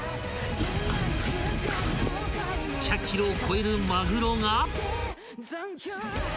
［１００ｋｇを超えるマグロが］